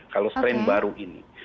kalau strain baru ini